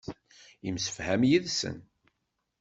Yemsefham yid-sen.